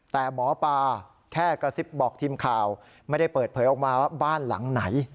แต่หมอปลาแค่กระซิบบอกทีมข่าวไม่ได้เปิดเผยออกมาว่าบ้านหลังไหน